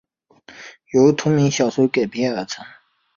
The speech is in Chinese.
由同名小说改编而成。